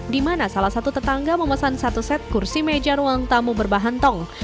di mana salah satu tetangga memesan satu set kursi meja ruang tamu berbahan tong